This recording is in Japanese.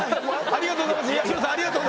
ありがとうございます東野さん